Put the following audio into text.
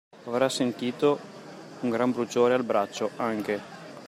Avrà sentito un gran bruciore al braccio, anche!